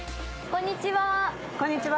こんにちは。